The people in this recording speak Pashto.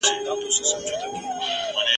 او بل ورځني باغي وو